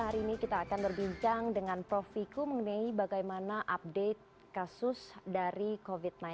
hari ini kita akan berbincang dengan prof viku mengenai bagaimana update kasus dari covid sembilan belas